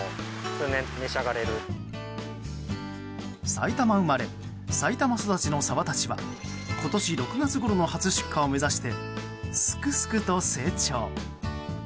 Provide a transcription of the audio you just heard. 埼玉生まれ埼玉育ちのサバたちは今年６月ごろの初出荷を目指してすくすくと成長。